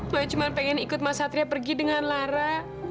gue cuma pengen ikut mas satria pergi dengan lara